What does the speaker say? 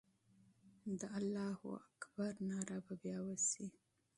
د الله اکبر ناره به بیا وسي.